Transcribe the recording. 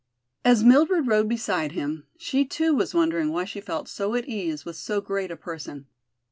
As Mildred rode beside him, she too was wondering why she felt so at ease with so great a person.